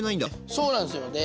そうなんですよね。